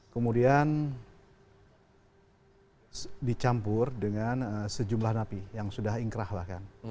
kemudian dicampur dengan sejumlah napi yang sudah ingkrah bahkan